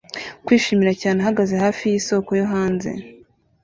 kwishimira cyane ahagaze hafi yisoko yo hanze